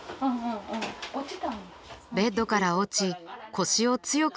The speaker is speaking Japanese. ベッドから落ち腰を強く打ったといいます。